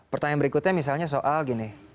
pertanyaan berikutnya misalnya soal gini